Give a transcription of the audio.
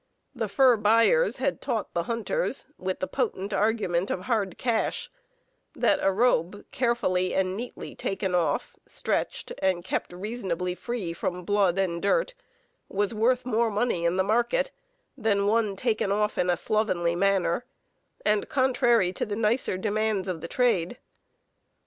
The fur buyers had taught the hunters, with the potent argument of hard cash, that a robe carefully and neatly taken off, stretched, and kept reasonably free from blood and dirt, was worth more money in the market than one taken off in a slovenly manner, and contrary to the nicer demands of the trade.